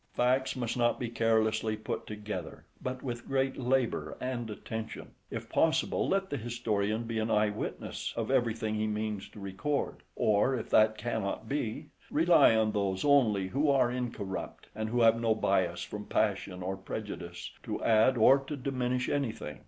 Facts must not be carelessly put together, but with great labour and attention. If possible, let the historian be an eye witness of everything he means to record; or, if that cannot be, rely on those only who are incorrupt, and who have no bias from passion or prejudice, to add or to diminish anything.